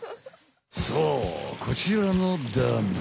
そうこちらのダム。